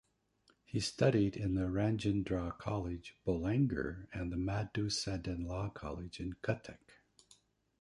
He studied in the Rajendra College bolangir and the Madhusudan Law College in Cuttack.